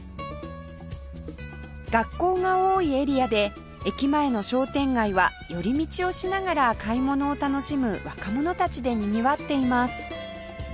学校が多いエリアで駅前の商店街は寄り道をしながら買い物を楽しむ若者たちでにぎわっています